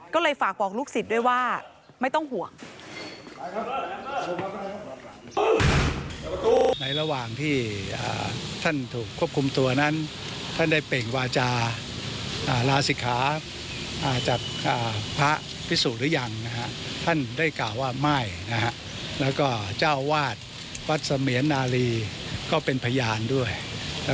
ก็เลยฝากบอกลูกศิษย์ด้วยว่าไม่ต้องห่วง